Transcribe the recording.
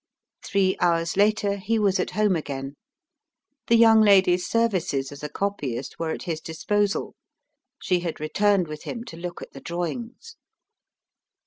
Three hours later he was at home again. The young lady's services as a copyist were at his disposal; she had returned with him to look at the drawings.